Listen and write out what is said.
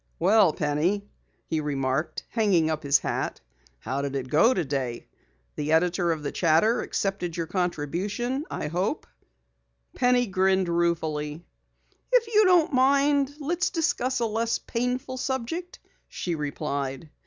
"Well, Penny," he remarked, hanging up his hat, "how did it go today? The editor of Chatter accepted your contribution I hope." Penny grinned ruefully. "If you don't mind, let's discuss a less painful subject," she replied.